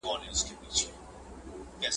پخواني نسل خپل عمر په عناد کې تېر کړ.